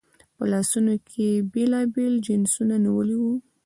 په لاسونو کې یې بېلابېل جنسونه نیولي وو.